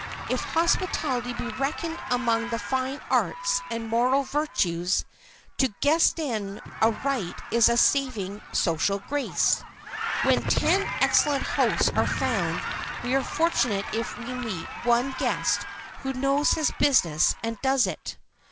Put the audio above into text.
If hospitality be reckoned among the fine arts and moral virtues, to "guesten" aright is a saving social grace. Where ten excellent hosts are found we are fortunate if we meet one guest who knows his business and does it.